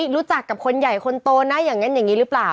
รู้จักกับคนใหญ่คนโตนะอย่างนั้นอย่างนี้หรือเปล่า